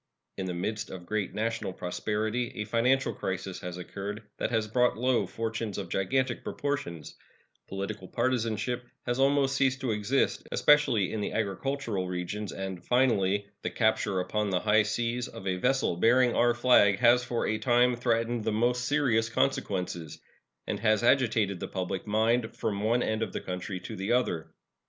In the midst of great national prosperity a financial crisis has occurred that has brought low fortunes of gigantic proportions; political partisanship has almost ceased to exist, especially in the agricultural regions; and, finally, the capture upon the high seas of a vessel bearing our flag has for a time threatened the most serious consequences, and has agitated the public mind from one end of the country to the other.